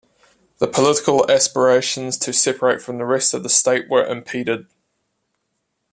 The political aspirations to separate from the rest of the state were impeded.